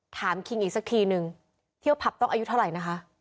คิงอีกสักทีนึงเที่ยวผับต้องอายุเท่าไหร่นะคะ